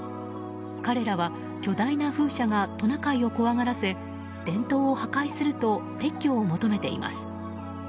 彼らは、巨大な風車がトナカイを怖がらせ伝統を破壊すると撤去を求めています。